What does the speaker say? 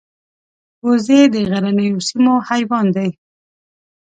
وزې د غرنیو سیمو حیوان دي